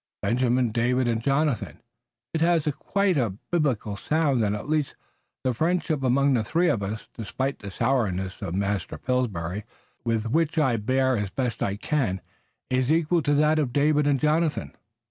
Benjamin, David and Jonathan, it has quite a Biblical sound, and at least the friendship among the three of us, despite the sourness of Master Pillsbury, with which I bear as best I can, is equal to that of David and Jonathan.